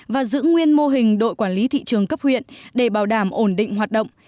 và giữ nguyên mô hình đội quản lý thị trường cấp huyện để bảo đảm ổn định hoạt động